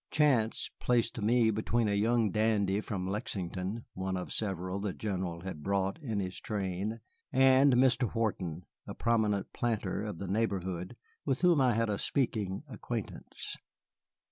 Chance placed me between a young dandy from Lexington one of several the General had brought in his train and Mr. Wharton, a prominent planter of the neighborhood with whom I had a speaking acquaintance.